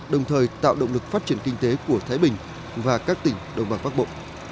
đồng thời tạo động lực phát triển kinh tế của thái bình và các tỉnh đồng bằng bắc bộ